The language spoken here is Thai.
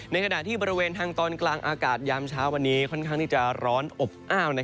ในขณะที่บริเวณทางตอนกลางอากาศยามเช้าวันนี้ค่อนข้างที่จะร้อนอบอ้าว